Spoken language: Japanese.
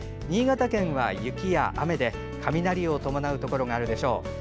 新潟県は雪や雨で雷を伴うところがあるでしょう。